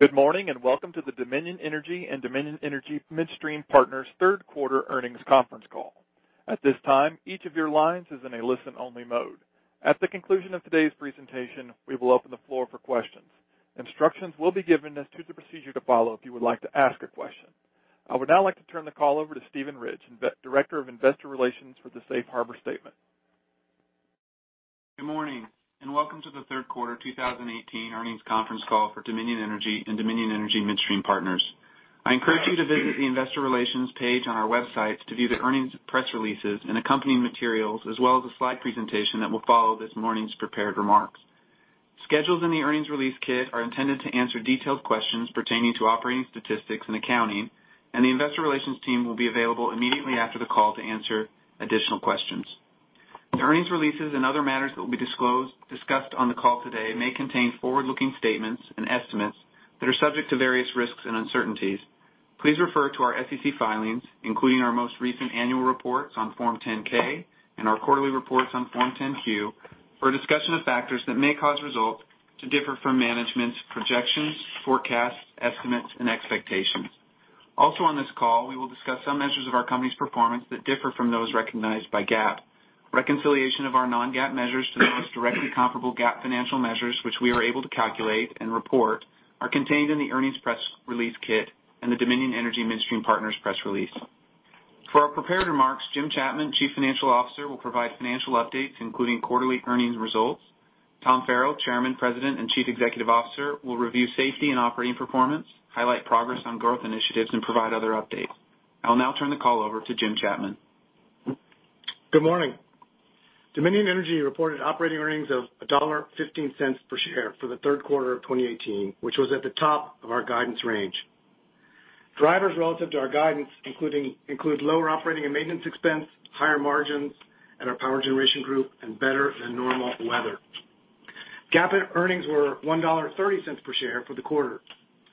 Good morning, and welcome to the Dominion Energy and Dominion Energy Midstream Partners third quarter earnings conference call. At this time, each of your lines is in a listen-only mode. At the conclusion of today's presentation, we will open the floor for questions. Instructions will be given as to the procedure to follow if you would like to ask a question. I would now like to turn the call over to Steven Ridge, Director of Investor Relations for the Safe Harbor statement. Good morning, welcome to the third quarter 2018 earnings conference call for Dominion Energy and Dominion Energy Midstream Partners. I encourage you to visit the investor relations page on our website to view the earnings press releases and accompanying materials, as well as a slide presentation that will follow this morning's prepared remarks. Schedules in the earnings release kit are intended to answer detailed questions pertaining to operating statistics and accounting. The investor relations team will be available immediately after the call to answer additional questions. The earnings releases and other matters that will be discussed on the call today may contain forward-looking statements and estimates that are subject to various risks and uncertainties. Please refer to our SEC filings, including our most recent annual reports on Form 10-K and our quarterly reports on Form 10-Q for a discussion of factors that may cause results to differ from management's projections, forecasts, estimates, and expectations. On this call, we will discuss some measures of our company's performance that differ from those recognized by GAAP. Reconciliation of our non-GAAP measures to the most directly comparable GAAP financial measures, which we are able to calculate and report, are contained in the earnings press release kit and the Dominion Energy Midstream Partners press release. For our prepared remarks, Jim Chapman, Chief Financial Officer, will provide financial updates, including quarterly earnings results. Tom Farrell, Chairman, President, and Chief Executive Officer, will review safety and operating performance, highlight progress on growth initiatives, and provide other updates. I will now turn the call over to Jim Chapman. Good morning. Dominion Energy reported operating earnings of $1.15 per share for the third quarter of 2018, which was at the top of our guidance range. Drivers relative to our guidance include lower operating and maintenance expense, higher margins at our Power Generation Group, and better than normal weather. GAAP earnings were $1.30 per share for the quarter.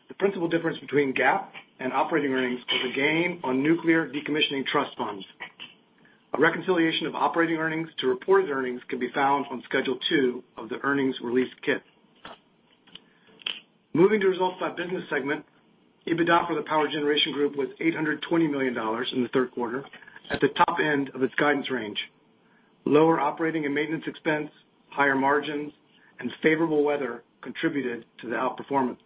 The principal difference between GAAP and operating earnings is a gain on nuclear decommissioning trust funds. A reconciliation of operating earnings to reported earnings can be found on Schedule Two of the earnings release kit. Moving to results by business segment, EBITDA for the Power Generation Group was $820 million in the third quarter, at the top end of its guidance range. Lower operating and maintenance expense, higher margins, and favorable weather contributed to the outperformance.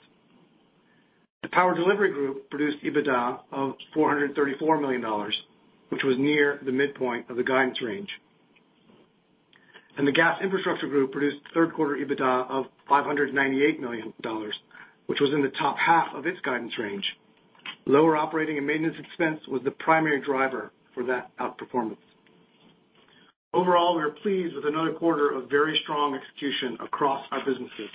The Power Delivery Group produced EBITDA of $434 million, which was near the midpoint of the guidance range. The Gas Infrastructure Group produced third quarter EBITDA of $598 million, which was in the top half of its guidance range. Lower operating and maintenance expense was the primary driver for that outperformance. Overall, we are pleased with another quarter of very strong execution across our businesses.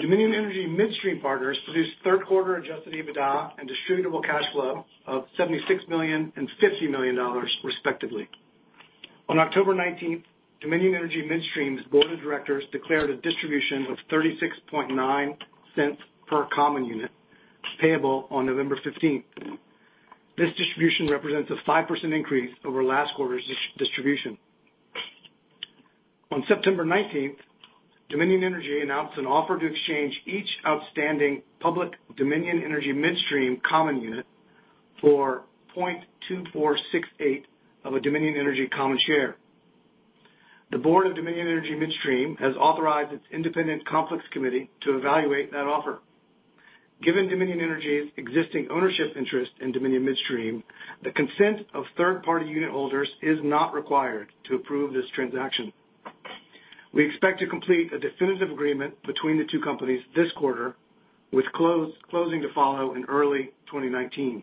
Dominion Energy Midstream Partners produced third quarter adjusted EBITDA and distributable cash flow of $76 million and $50 million, respectively. On October 19th, Dominion Energy Midstream's board of directors declared a distribution of $0.369 per common unit payable on November 15th. This distribution represents a 5% increase over last quarter's distribution. On September 19th, Dominion Energy announced an offer to exchange each outstanding public Dominion Energy Midstream common unit for 0.2468 of a Dominion Energy common share. The board of Dominion Energy Midstream has authorized its independent conflicts committee to evaluate that offer. Given Dominion Energy's existing ownership interest in Dominion Midstream, the consent of third-party unit holders is not required to approve this transaction. We expect to complete a definitive agreement between the two companies this quarter, with closing to follow in early 2019.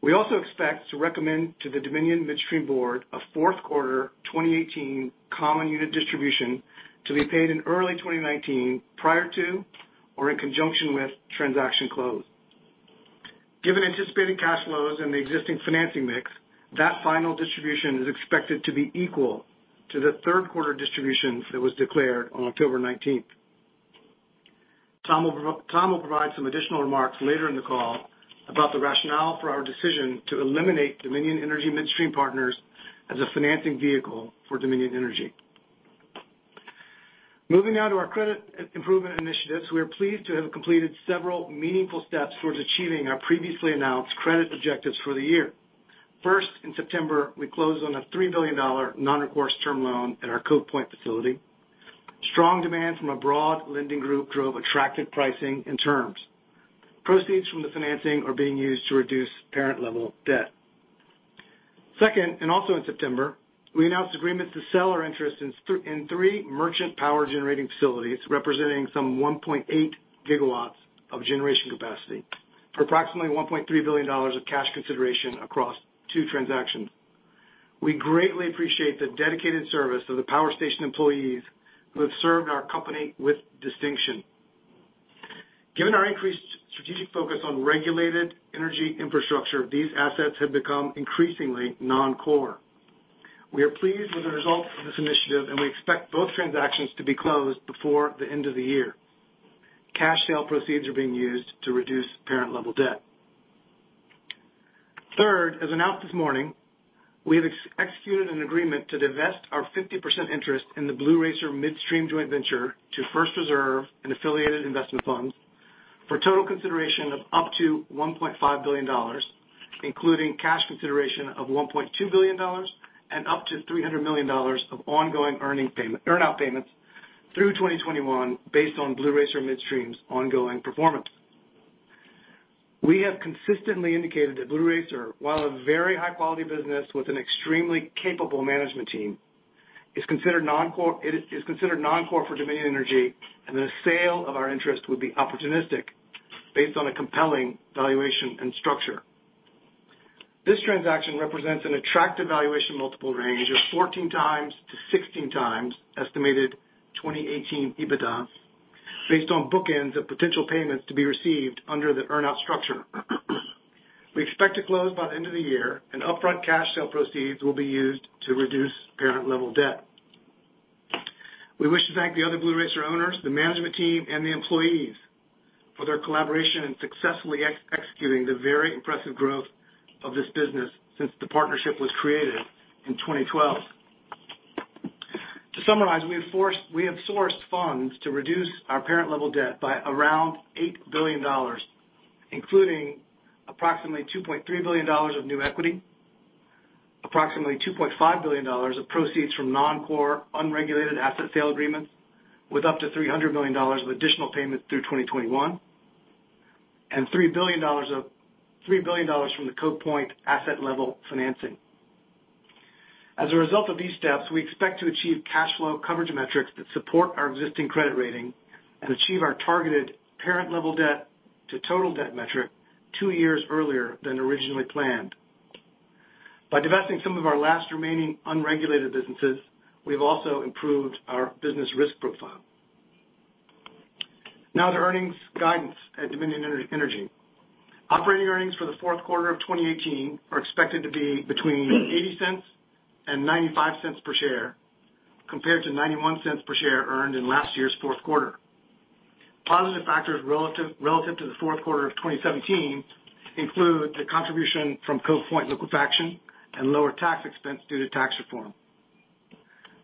We also expect to recommend to the Dominion Midstream board a fourth quarter 2018 common unit distribution to be paid in early 2019, prior to or in conjunction with transaction close. Given anticipated cash flows and the existing financing mix, that final distribution is expected to be equal to the third quarter distribution that was declared on October 19th. Tom will provide some additional remarks later in the call about the rationale for our decision to eliminate Dominion Energy Midstream Partners as a financing vehicle for Dominion Energy. Moving now to our credit improvement initiatives, we are pleased to have completed several meaningful steps towards achieving our previously announced credit objectives for the year. First, in September, we closed on a $3 billion non-recourse term loan at our Cove Point facility. Strong demand from a broad lending group drove attractive pricing and terms. Proceeds from the financing are being used to reduce parent-level debt. Second, and also in September, we announced agreements to sell our interest in three merchant power generating facilities, representing some 1.8 gigawatts of generation capacity for approximately $1.3 billion of cash consideration across two transactions. We greatly appreciate the dedicated service of the power station employees who have served our company with distinction. Given our increased strategic focus on regulated energy infrastructure, these assets have become increasingly non-core. Third, as announced this morning, we have executed an agreement to divest our 50% interest in the Blue Racer Midstream joint venture to First Reserve and affiliated investment funds, for total consideration of up to $1.5 billion, including cash consideration of $1.2 billion and up to $300 million of ongoing earn-out payments through 2021 based on Blue Racer Midstream's ongoing performance. We have consistently indicated that Blue Racer, while a very high-quality business with an extremely capable management team, is considered non-core for Dominion Energy, and the sale of our interest would be opportunistic based on a compelling valuation and structure. This transaction represents an attractive valuation multiple range of 14x to 16x estimated 2018 EBITDA based on bookends of potential payments to be received under the earn-out structure. We expect to close by the end of the year, and upfront cash sale proceeds will be used to reduce parent level debt. We wish to thank the other Blue Racer owners, the management team, and the employees for their collaboration in successfully executing the very impressive growth of this business since the partnership was created in 2012. To summarize, we have sourced funds to reduce our parent level debt by $8 billion, including approximately $2.3 billion of new equity, approximately $2.5 billion of proceeds from non-core unregulated asset sale agreements, with up to $300 million of additional payments through 2021, and $3 billion from the Cove Point asset-level financing. As a result of these steps, we expect to achieve cash flow coverage metrics that support our existing credit rating and achieve our targeted parent level debt to total debt metric two years earlier than originally planned. Now the earnings guidance at Dominion Energy. Operating earnings for the fourth quarter of 2018 are expected to be between $0.80 and $0.95 per share, compared to $0.91 per share earned in last year's fourth quarter. Positive factors relative to the fourth quarter of 2017 include the contribution from Cove Point liquefaction and lower tax expense due to tax reform.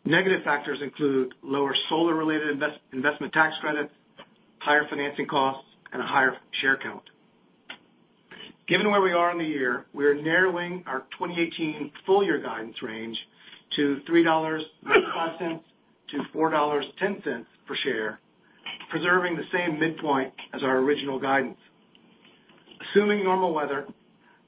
Negative factors include lower solar-related investment tax credits, higher financing costs, and a higher share count. Given where we are in the year, we are narrowing our 2018 full-year guidance range to $3.95 to $4.10 per share, preserving the same midpoint as our original guidance. Assuming normal weather,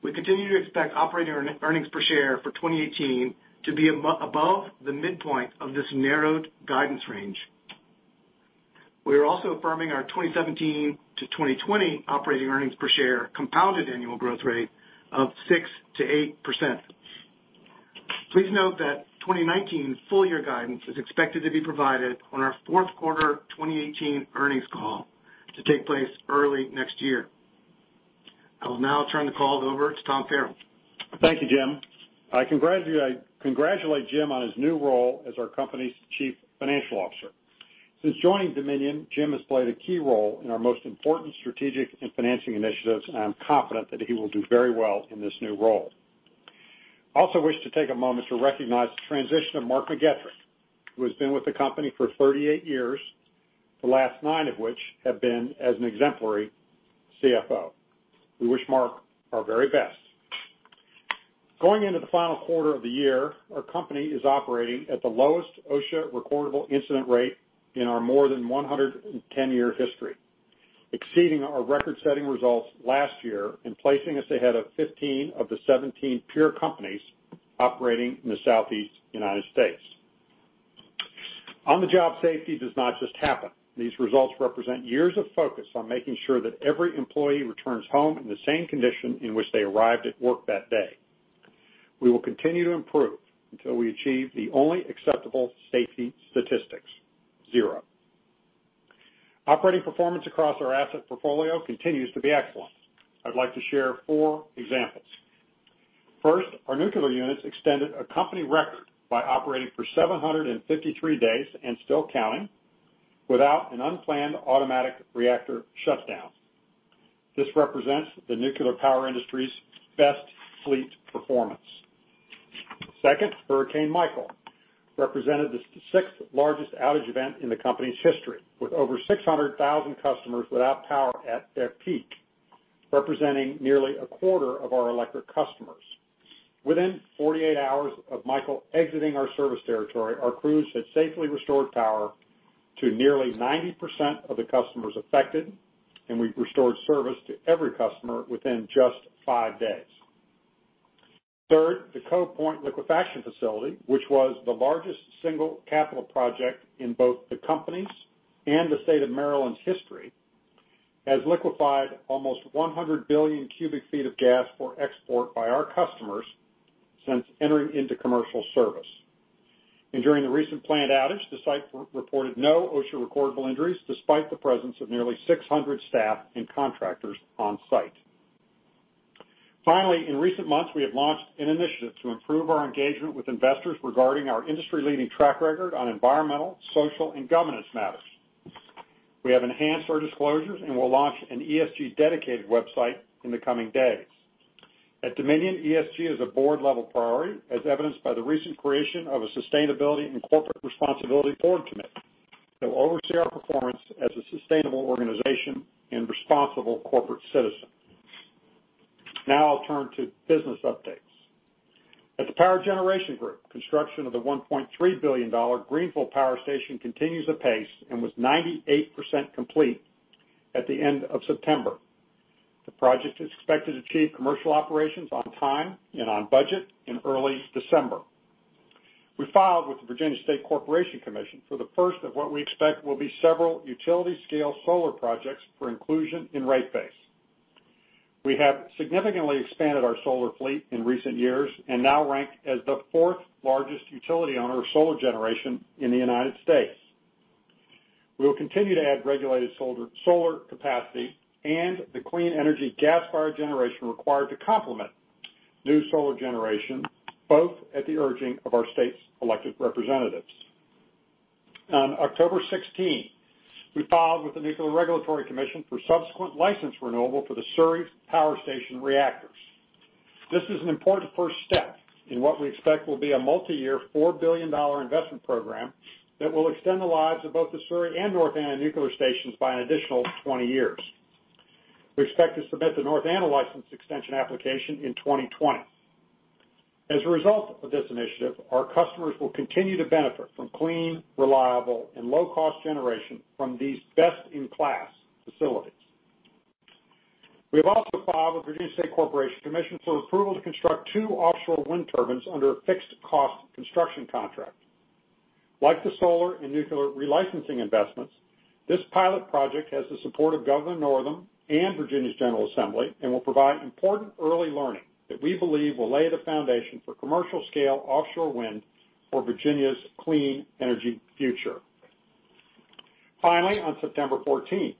we continue to expect operating earnings per share for 2018 to be above the midpoint of this narrowed guidance range. We are also affirming our 2017 to 2020 operating earnings per share compounded annual growth rate of 6%-8%. Please note that 2019 full-year guidance is expected to be provided on our fourth quarter 2018 earnings call to take place early next year. I will now turn the call over to Tom Farrell. Thank you, Jim. I congratulate Jim on his new role as our company's Chief Financial Officer. Since joining Dominion, Jim has played a key role in our most important strategic and financing initiatives, and I'm confident that he will do very well in this new role. I also wish to take a moment to recognize the transition of Mark McGettrick, who has been with the company for 38 years, the last nine of which have been as an exemplary CFO. We wish Mark our very best. Going into the final quarter of the year, our company is operating at the lowest OSHA recordable incident rate in our more than 110-year history, exceeding our record-setting results last year and placing us ahead of 15 of the 17 peer companies operating in the Southeast U.S. On-the-job safety does not just happen. These results represent years of focus on making sure that every employee returns home in the same condition in which they arrived at work that day. We will continue to improve until we achieve the only acceptable safety statistics: zero. Operating performance across our asset portfolio continues to be excellent. I'd like to share four examples. First, our nuclear units extended a company record by operating for 753 days and still counting without an unplanned automatic reactor shutdown. This represents the nuclear power industry's best fleet performance. Second, Hurricane Michael represented the sixth-largest outage event in the company's history, with over 600,000 customers without power at their peak, representing nearly a quarter of our electric customers. Within 48 hours of Hurricane Michael exiting our service territory, our crews had safely restored power to nearly 90% of the customers affected, and we restored service to every customer within just five days. Third, the Cove Point Liquefaction facility, which was the largest single capital project in both the company's and the state of Maryland's history, has liquefied almost 100 billion cubic feet of gas for export by our customers since entering into commercial service. During the recent plant outage, the site reported no OSHA recordable injuries, despite the presence of nearly 600 staff and contractors on-site. Finally, in recent months, we have launched an initiative to improve our engagement with investors regarding our industry-leading track record on environmental, social, and governance matters. We have enhanced our disclosures and will launch an ESG dedicated website in the coming days. At Dominion, ESG is a board-level priority, as evidenced by the recent creation of a sustainability and corporate responsibility board committee that will oversee our performance as a sustainable organization and responsible corporate citizen. Now I'll turn to business updates. At the Power Generation Group, construction of the $1.3 billion Greensville Power Station continues apace and was 98% complete at the end of September. The project is expected to achieve commercial operations on time and on budget in early December. We filed with the Virginia State Corporation Commission for the first of what we expect will be several utility-scale solar projects for inclusion in rate base. We have significantly expanded our solar fleet in recent years and now rank as the fourth-largest utility owner of solar generation in the U.S. We will continue to add regulated solar capacity and the clean energy gas-fired generation required to complement new solar generation, both at the urging of our state's elected representatives. On October 16, we filed with the Nuclear Regulatory Commission for subsequent license renewal for the Surry Power Station reactors. This is an important first step in what we expect will be a multiyear $4 billion investment program that will extend the lives of both the Surry and North Anna nuclear stations by an additional 20 years. We expect to submit the North Anna license extension application in 2020. As a result of this initiative, our customers will continue to benefit from clean, reliable, and low-cost generation from these best-in-class facilities. We have also filed with Virginia State Corporation Commission for approval to construct two offshore wind turbines under a fixed cost construction contract. Like the solar and nuclear relicensing investments, this pilot project has the support of Governor Northam and Virginia's General Assembly and will provide important early learning that we believe will lay the foundation for commercial-scale offshore wind for Virginia's clean energy future. Finally, on September 14,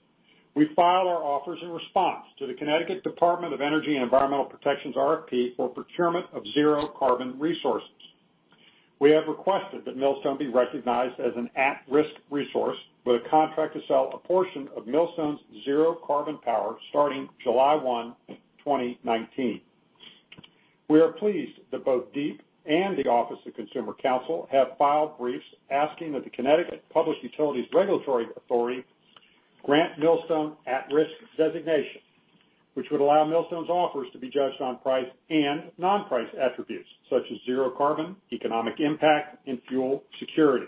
we filed our offers in response to the Connecticut Department of Energy and Environmental Protection's RFP for procurement of zero-carbon resources. We have requested that Millstone be recognized as an at-risk resource with a contract to sell a portion of Millstone's zero-carbon power starting July 1, 2019. We are pleased that both DEEP and the Office of Consumer Counsel have filed briefs asking that the Connecticut Public Utilities Regulatory Authority grant Millstone at-risk designation, which would allow Millstone's offers to be judged on price and non-price attributes such as zero carbon, economic impact, and fuel security.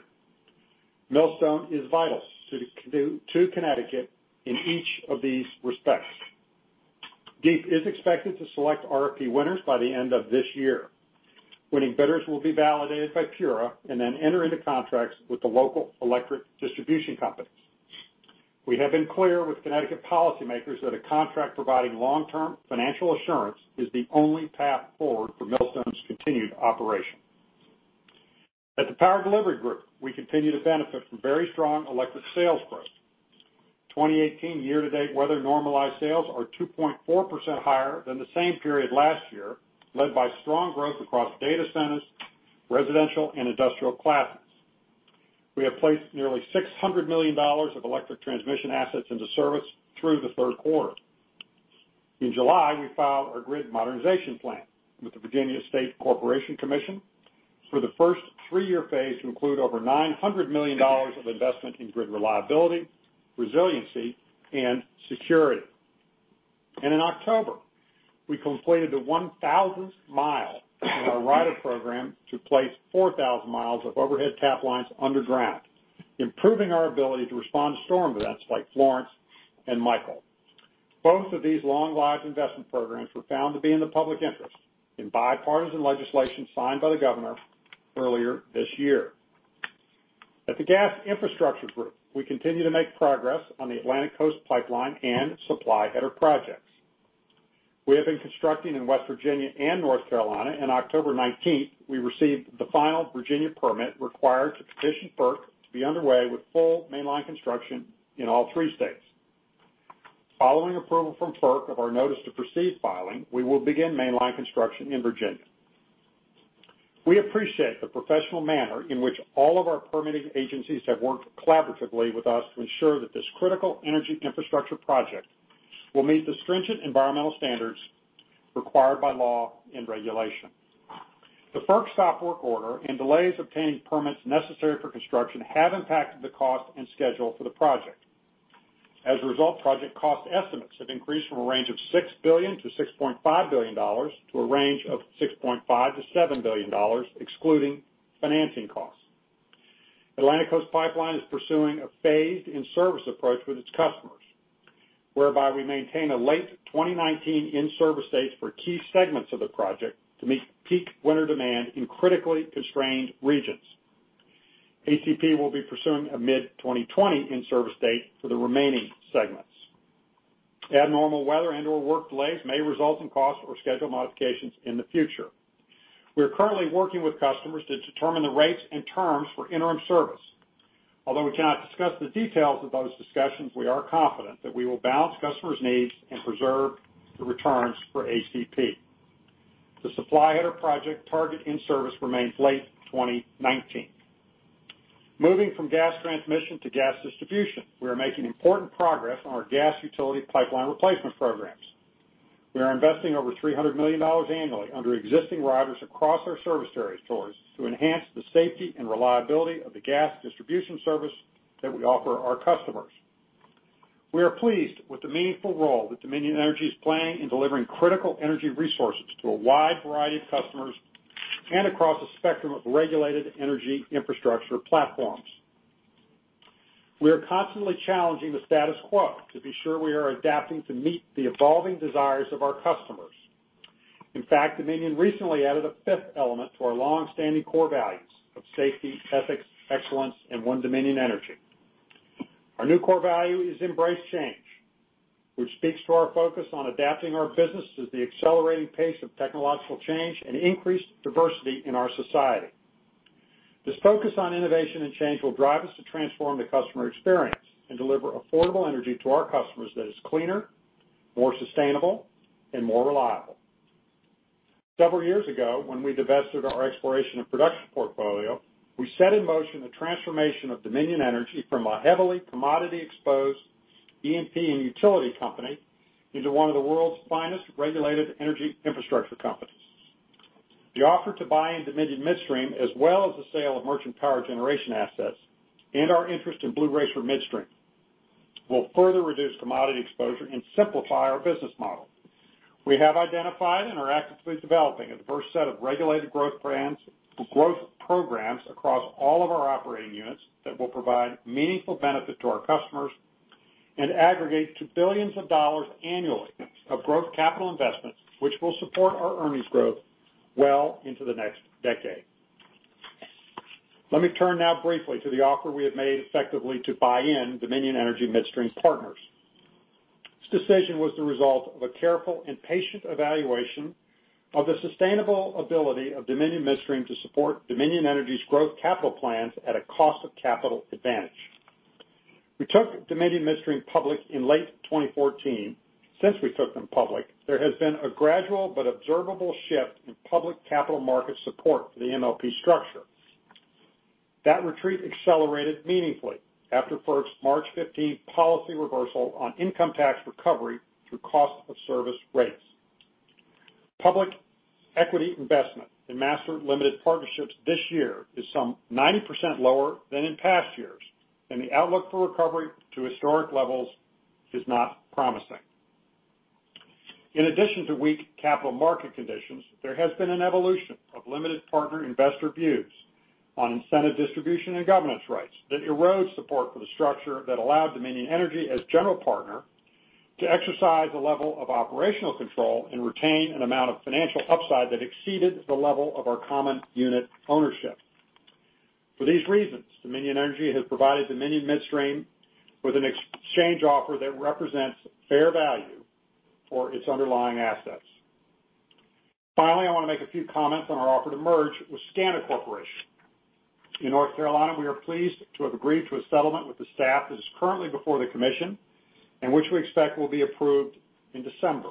Millstone is vital to Connecticut in each of these respects. DEEP is expected to select RFP winners by the end of this year. Winning bidders will be validated by PURA and then enter into contracts with the local electric distribution companies. We have been clear with Connecticut policymakers that a contract providing long-term financial assurance is the only path forward for Millstone's continued operation. At the Power Delivery Group, we continue to benefit from very strong electric sales growth. 2018 year-to-date weather-normalized sales are 2.4% higher than the same period last year, led by strong growth across data centers, residential, and industrial classes. We have placed nearly $600 million of electric transmission assets into service through the third quarter. In July, we filed our grid modernization plan with the Virginia State Corporation Commission for the first 3-year phase to include over $900 million of investment in grid reliability, resiliency, and security. In October, we completed the 1,000th mile in our rider program to place 4,000 miles of overhead tap lines underground, improving our ability to respond to storm events like Hurricane Florence and Hurricane Michael. Both of these long-lived investment programs were found to be in the public interest in bipartisan legislation signed by the governor earlier this year. At the Gas Infrastructure Group, we continue to make progress on the Atlantic Coast Pipeline and Supply Header Project. We have been constructing in West Virginia and North Carolina. October 19th, we received the final Virginia permit required to petition FERC to be underway with full mainline construction in all three states. Following approval from FERC of our notice to proceed filing, we will begin mainline construction in Virginia. We appreciate the professional manner in which all of our permitting agencies have worked collaboratively with us to ensure that this critical energy infrastructure project will meet the stringent environmental standards required by law and regulation. The FERC stop work order and delays obtaining permits necessary for construction have impacted the cost and schedule for the project. As a result, project cost estimates have increased from a range of $6 billion-$6.5 billion to a range of $6.5 billion-$7 billion, excluding financing costs. Atlantic Coast Pipeline is pursuing a phased in-service approach with its customers, whereby we maintain a late 2019 in-service date for key segments of the project to meet peak winter demand in critically constrained regions. ACP will be pursuing a mid-2020 in-service date for the remaining segments. Abnormal weather and/or work delays may result in cost or schedule modifications in the future. We are currently working with customers to determine the rates and terms for interim service. Although we cannot discuss the details of those discussions, we are confident that we will balance customers' needs and preserve the returns for ACP. The Supply Header Project target in-service remains late 2019. Moving from gas transmission to gas distribution, we are making important progress on our gas utility pipeline replacement programs. We are investing over $300 million annually under existing riders across our service territories to enhance the safety and reliability of the gas distribution service that we offer our customers. We are pleased with the meaningful role that Dominion Energy is playing in delivering critical energy resources to a wide variety of customers and across a spectrum of regulated energy infrastructure platforms. We are constantly challenging the status quo to be sure we are adapting to meet the evolving desires of our customers. In fact, Dominion recently added a fifth element to our longstanding core values of safety, ethics, excellence, and One Dominion Energy. Our new core value is embrace change, which speaks to our focus on adapting our business to the accelerating pace of technological change and increased diversity in our society. This focus on innovation and change will drive us to transform the customer experience and deliver affordable energy to our customers that is cleaner, more sustainable, and more reliable. Several years ago, when we divested our exploration and production portfolio, we set in motion the transformation of Dominion Energy from a heavily commodity-exposed E&P and utility company into one of the world's finest regulated energy infrastructure companies. The offer to buy into Dominion Midstream, as well as the sale of merchant power generation assets and our interest in Blue Racer Midstream, will further reduce commodity exposure and simplify our business model. We have identified and are actively developing a diverse set of regulated growth programs across all of our operating units that will provide meaningful benefit to our customers and aggregate to billions of dollars annually of growth capital investments, which will support our earnings growth well into the next decade. Let me turn now briefly to the offer we have made effectively to buy in Dominion Energy Midstream Partners. This decision was the result of a careful and patient evaluation of the sustainable ability of Dominion Midstream to support Dominion Energy's growth capital plans at a cost of capital advantage. We took Dominion Midstream public in late 2014. Since we took them public, there has been a gradual but observable shift in public capital market support for the MLP structure. That retreat accelerated meaningfully after FERC's March 15 policy reversal on income tax recovery through cost of service rates. Public equity investment in master limited partnerships this year is some 90% lower than in past years, and the outlook for recovery to historic levels is not promising. In addition to weak capital market conditions, there has been an evolution of limited partner investor views on incentive distribution and governance rights that erode support for the structure that allowed Dominion Energy as general partner to exercise a level of operational control and retain an amount of financial upside that exceeded the level of our common unit ownership. For these reasons, Dominion Energy has provided Dominion Midstream with an exchange offer that represents fair value for its underlying assets. Finally, I want to make a few comments on our offer to merge with SCANA Corporation. In North Carolina, we are pleased to have agreed to a settlement with the staff that is currently before the commission, which we expect will be approved in December.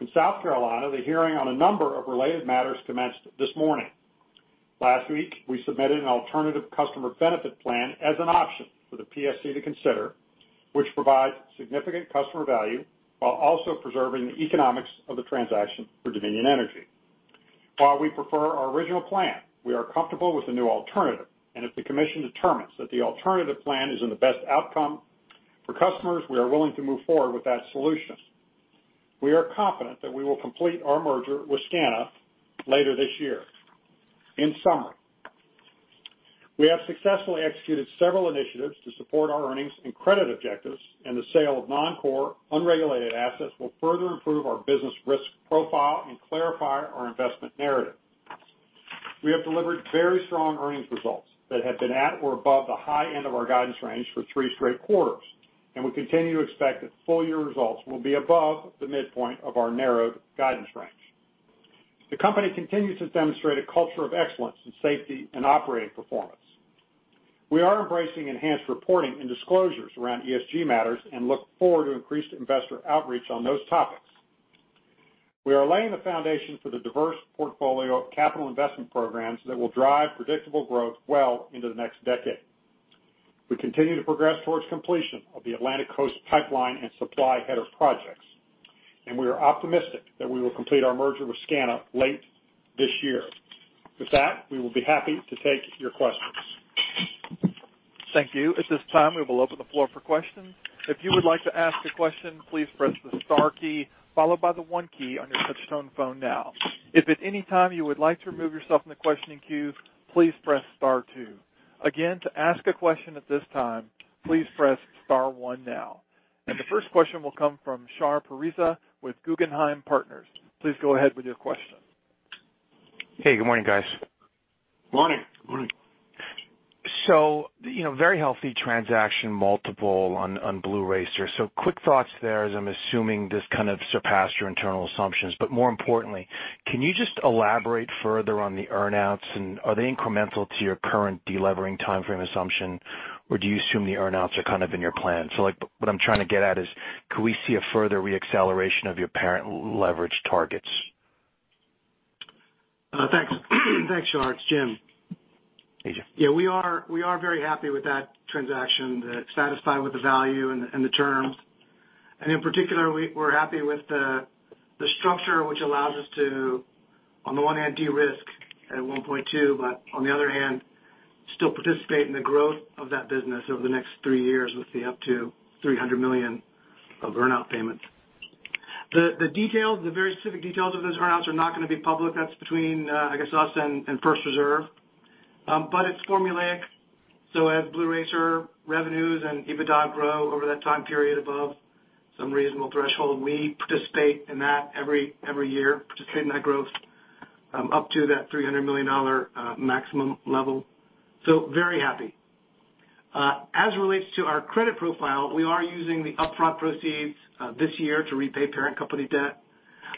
In South Carolina, the hearing on a number of related matters commenced this morning. Last week, we submitted an alternative customer benefit plan as an option for the PSC to consider, which provides significant customer value while also preserving the economics of the transaction for Dominion Energy. While we prefer our original plan, we are comfortable with the new alternative, if the commission determines that the alternative plan is in the best outcome for customers, we are willing to move forward with that solution. We are confident that we will complete our merger with SCANA later this year. In summary, we have successfully executed several initiatives to support our earnings and credit objectives, the sale of non-core unregulated assets will further improve our business risk profile and clarify our investment narrative. We have delivered very strong earnings results that have been at or above the high end of our guidance range for three straight quarters, and we continue to expect that full-year results will be above the midpoint of our narrowed guidance range. The company continues to demonstrate a culture of excellence in safety and operating performance. We are embracing enhanced reporting and disclosures around ESG matters and look forward to increased investor outreach on those topics. We are laying the foundation for the diverse portfolio of capital investment programs that will drive predictable growth well into the next decade. We continue to progress towards completion of the Atlantic Coast Pipeline and Supply Header projects, and we are optimistic that we will complete our merger with SCANA late this year. With that, we will be happy to take your questions. Thank you. At this time, we will open the floor for questions. If you would like to ask a question, please press the star key followed by the one key on your touchtone phone now. If at any time you would like to remove yourself from the questioning queue, please press star two. Again, to ask a question at this time, please press star one now. The first question will come from Shahriar Pourreza with Guggenheim Partners. Please go ahead with your question. Hey. Good morning guys. Good morning. Very healthy transaction multiple on Blue Racer. Quick thoughts there, as I'm assuming this kind of surpassed your internal assumptions. More importantly, can you just elaborate further on the earn-outs, and are they incremental to your current de-levering timeframe assumption, or do you assume the earn-outs are kind of in your plan? What I'm trying to get at is, could we see a further re-acceleration of your parent leverage targets? Thanks. Thanks, Shar. It's Jim. Hey, Jim. Yeah, we are very happy with that transaction, satisfied with the value and the terms. In particular, we're happy with the structure which allows us to, on the one hand, de-risk at 1.2, but on the other hand, still participate in the growth of that business over the next three years with the up to $300 million of earn-out payments. The very specific details of those earn-outs are not going to be public. That's between, I guess, us and First Reserve. It's formulaic, as Blue Racer revenues and EBITDA grow over that time period above some reasonable threshold, we participate in that every year, participate in that growth up to that $300 million maximum level. Very happy. As relates to our credit profile, we are using the upfront proceeds this year to repay parent company debt.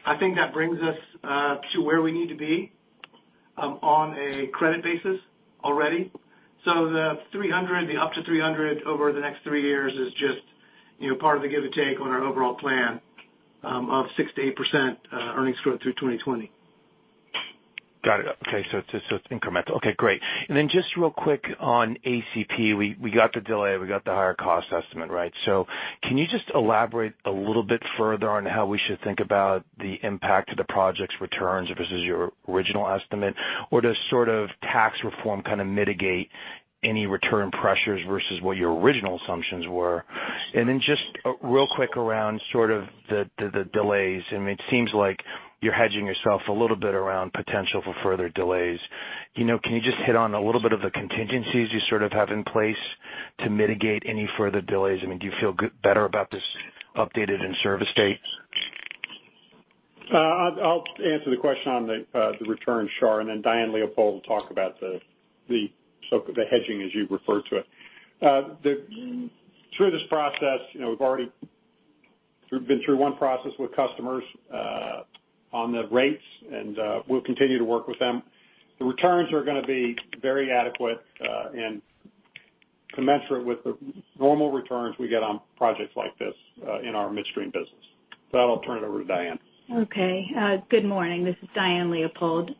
I think that brings us to where we need to be on a credit basis already. The up to $300 over the next three years is just part of the give and take on our overall plan of 6%-8% earnings growth through 2020. Got it. Okay, it's incremental. Okay, great. Then just real quick on ACP. We got the delay, we got the higher cost estimate, right? Can you just elaborate a little bit further on how we should think about the impact of the project's returns versus your original estimate? Does sort of tax reform kind of mitigate any return pressures versus what your original assumptions were? Then just real quick around sort of the delays, it seems like you're hedging yourself a little bit around potential for further delays. Can you just hit on a little bit of the contingencies you sort of have in place to mitigate any further delays? Do you feel better about this updated in-service date? I'll answer the question on the returns, Shar Pourreza, and then Diane Leopold will talk about the hedging as you refer to it. Through this process, we've already been through one process with customers on the rates, and we'll continue to work with them. The returns are going to be very adequate and commensurate with the normal returns we get on projects like this in our midstream business. I'll turn it over to Diane. Okay. Good morning. This is Diane Leopold.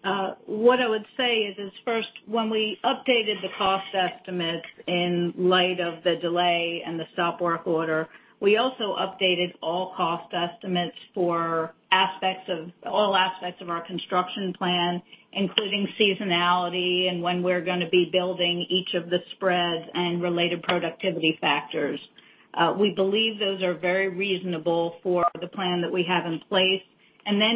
What I would say is, first, when we updated the cost estimates in light of the delay and the stop work order, we also updated all cost estimates for all aspects of our construction plan, including seasonality and when we're going to be building each of the spreads and related productivity factors. We believe those are very reasonable for the plan that we have in place.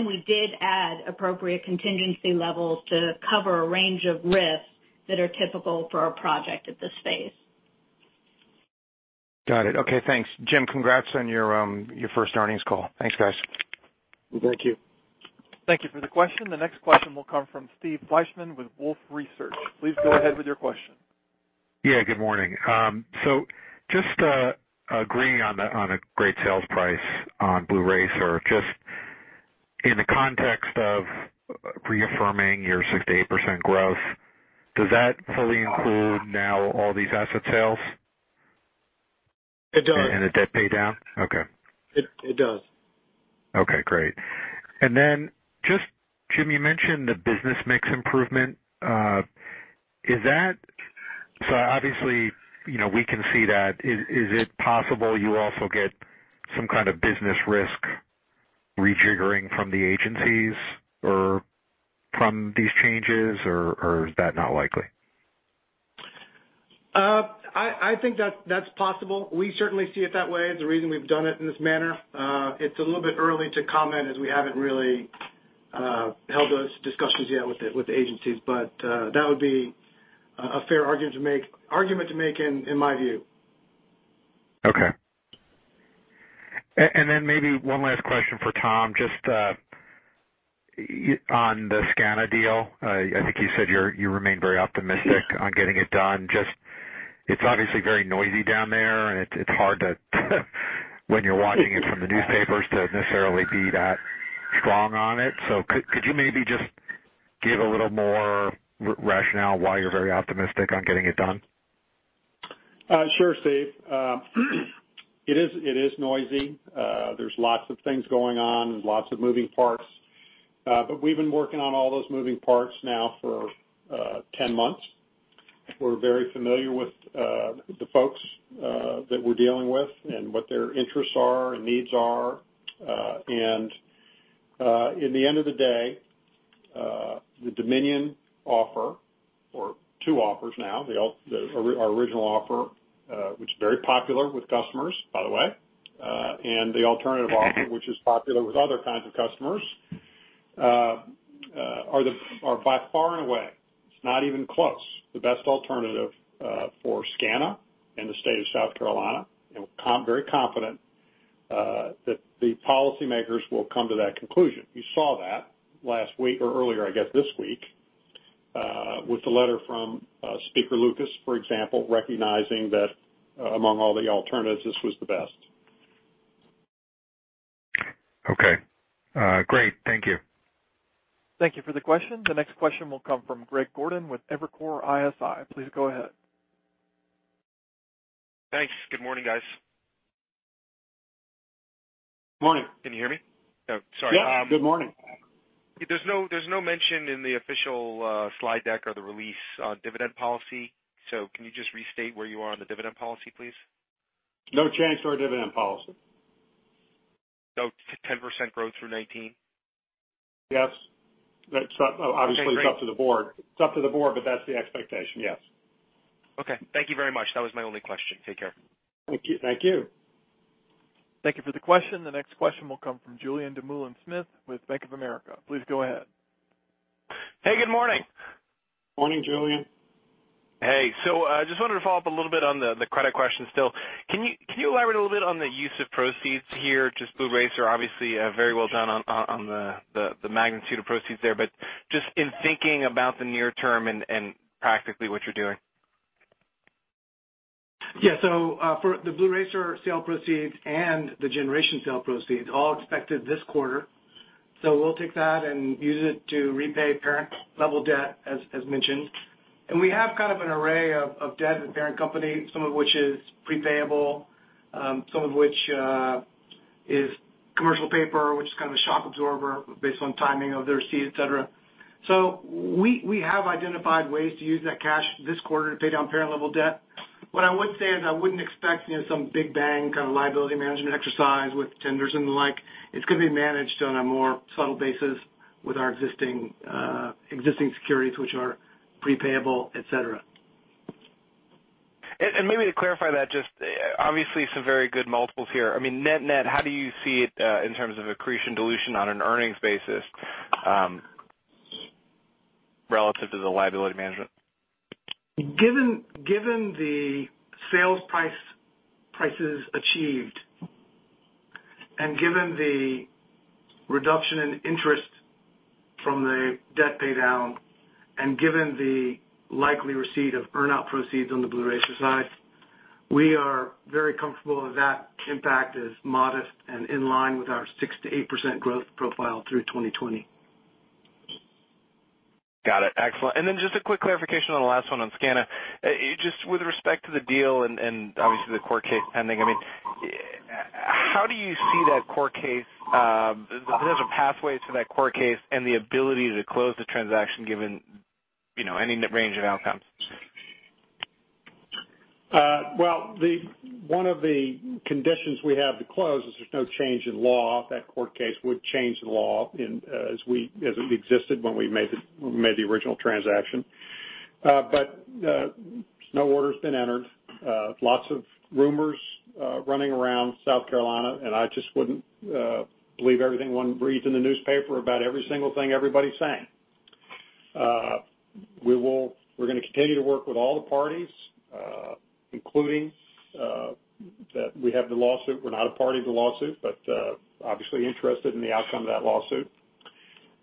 We did add appropriate contingency levels to cover a range of risks that are typical for a project at this phase. Got it. Okay, thanks. Jim, congrats on your first earnings call. Thanks, guys. Thank you. Thank you for the question. The next question will come from Steve Fleishman with Wolfe Research. Please go ahead with your question. Yeah, good morning. Just agreeing on a great sales price on Blue Racer. Just in the context of reaffirming your 6%-8% growth, does that fully include now all these asset sales? It does. A debt pay down? Okay. It does. Okay, great. Just, Jim, you mentioned the business mix improvement. Obviously, we can see that. Is it possible you also get some kind of business risk rejiggering from the agencies or from these changes, or is that not likely? I think that's possible. We certainly see it that way. It's the reason we've done it in this manner. It's a little bit early to comment as we haven't really held those discussions yet with the agencies. That would be a fair argument to make in my view. Okay. Maybe one last question for Tom, just on the SCANA deal. I think you said you remain very optimistic on getting it done. Just it's obviously very noisy down there, and it's hard to when you're watching it from the newspapers to necessarily be that strong on it. Could you maybe just give a little more rationale why you're very optimistic on getting it done? Sure, Steve. It is noisy. There's lots of things going on. There's lots of moving parts. We've been working on all those moving parts now for 10 months. We're very familiar with the folks that we're dealing with and what their interests are and needs are. In the end of the day, the Dominion offer or two offers now, our original offer, which is very popular with customers, by the way, and the alternative offer, which is popular with other kinds of customers, are by far and away, it's not even close, the best alternative for SCANA and the state of South Carolina. We're very confident that the policymakers will come to that conclusion. You saw that last week or earlier, I guess, this week with the letter from Kirk Cox, for example, recognizing that among all the alternatives, this was the best. Okay. Great. Thank you. Thank you for the question. The next question will come from Greg Gordon with Evercore ISI. Please go ahead. Thanks. Good morning, guys. Morning. Can you hear me? Oh, sorry. Yeah. Good morning. There's no mention in the official slide deck or the release on dividend policy, so can you just restate where you are on the dividend policy, please? No change to our dividend policy. 10% growth through 2019? Yes. Obviously, it's up to the board, but that's the expectation, yes. Okay. Thank you very much. That was my only question. Take care. Thank you. Thank you for the question. The next question will come from Julien Dumoulin-Smith with Bank of America. Please go ahead. Hey, good morning. Morning, Julien. Hey. Just wanted to follow up a little bit on the credit question still. Can you elaborate a little bit on the use of proceeds here? Just Blue Racer, obviously, very well done on the magnitude of proceeds there, but just in thinking about the near term and practically what you're doing. For the Blue Racer sale proceeds and the generation sale proceeds, all expected this quarter. We'll take that and use it to repay parent level debt, as mentioned. We have kind of an array of debt at the parent company, some of which is pre-payable, some of which is commercial paper, which is kind of a shock absorber based on timing of the receipt, et cetera. We have identified ways to use that cash this quarter to pay down parent level debt. What I would say is I wouldn't expect some big bang kind of liability management exercise with tenders and the like. It's going to be managed on a more subtle basis with our existing securities which are pre-payable, et cetera. Maybe to clarify that, just obviously some very good multiples here. I mean, net net, how do you see it, in terms of accretion dilution on an earnings basis, relative to the liability management? Given the sales prices achieved, given the reduction in interest from the debt pay down, given the likely receipt of earn-out proceeds on the Blue Racer side, we are very comfortable that impact is modest and in line with our 6%-8% growth profile through 2020. Got it. Excellent. Then just a quick clarification on the last one on SCANA. Just with respect to the deal and obviously the court case pending, how do you see that court case, the potential pathway to that court case, and the ability to close the transaction given any range of outcomes? Well, one of the conditions we have to close is there's no change in law. That court case would change the law as it existed when we made the original transaction. No order's been entered. Lots of rumors running around South Carolina. I just wouldn't believe everything one reads in the newspaper about every single thing everybody's saying. We're going to continue to work with all the parties, including, that we have the lawsuit. We're not a party to the lawsuit, but obviously interested in the outcome of that lawsuit,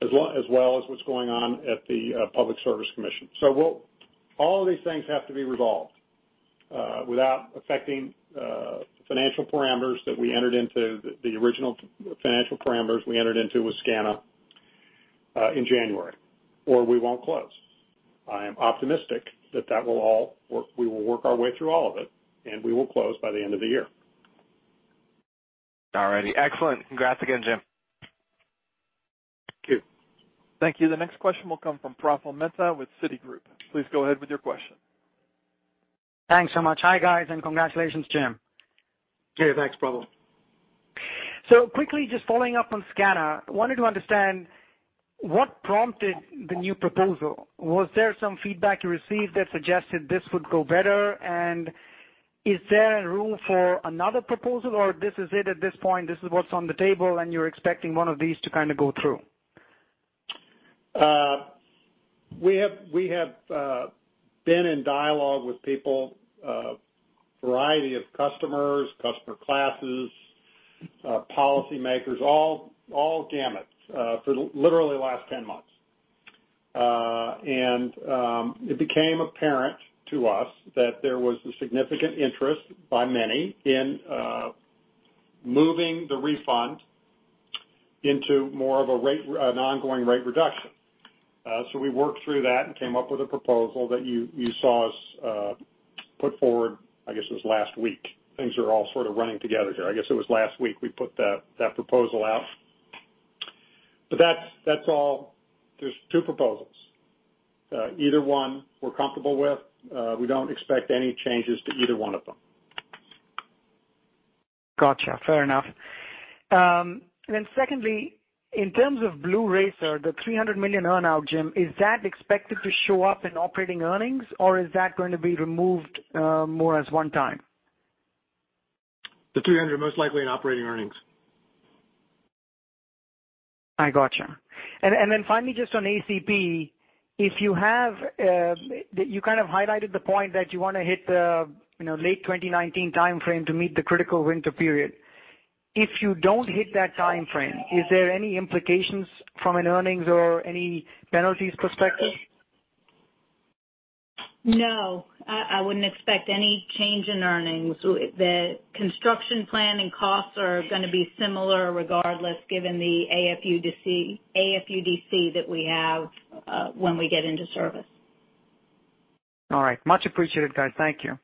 as well as what's going on at the Public Service Commission. All of these things have to be resolved without affecting the financial parameters that we entered into, the original financial parameters we entered into with SCANA in January, or we won't close. I am optimistic that we will work our way through all of it, and we will close by the end of the year. All righty. Excellent. Congrats again, Jim. Thank you. Thank you. The next question will come from Praful Mehta with Citigroup. Please go ahead with your question. Thanks so much. Hi, guys, and congratulations, Jim. Hey, thanks, Praful. Quickly, just following up on SCANA, wanted to understand what prompted the new proposal. Was there some feedback you received that suggested this would go better? Is there room for another proposal, or this is it at this point, this is what's on the table, and you're expecting one of these to kind of go through? We have been in dialogue with people, a variety of customers, customer classes, policymakers, all gamuts, for literally the last 10 months. It became apparent to us that there was a significant interest by many in moving the refund into more of an ongoing rate reduction. We worked through that and came up with a proposal that you saw us put forward, I guess it was last week. Things are all sort of running together here. I guess it was last week we put that proposal out. There's 2 proposals. Either one we're comfortable with. We don't expect any changes to either one of them. Gotcha. Fair enough. Secondly, in terms of Blue Racer, the $300 million earn-out, Jim, is that expected to show up in operating earnings or is that going to be removed more as one time? The $300 most likely in operating earnings. I gotcha. Finally, just on ACP, you kind of highlighted the point that you want to hit the late 2019 timeframe to meet the critical winter period. If you don't hit that timeframe, is there any implications from an earnings or any penalties perspective? No, I wouldn't expect any change in earnings. The construction planning costs are going to be similar regardless, given the AFUDC that we have when we get into service. All right. Much appreciated, guys. Thank you.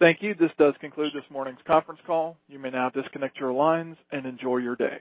Thank you. This does conclude this morning's conference call. You may now disconnect your lines and enjoy your day.